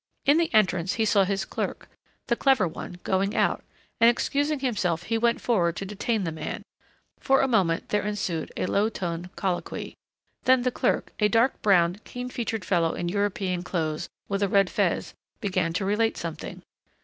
In the entrance he saw his clerk the clever one going out, and excusing himself he went forward to detain the man. For a moment there ensued a low toned colloquy. Then the clerk, a dark browned keen featured fellow in European clothes with a red fez, began to relate something.